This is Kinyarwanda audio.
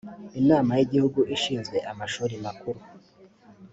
inama y igihugu ishinzwe amashuri makuru